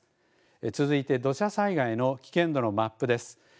続いて土砂災害の危険度のマップです。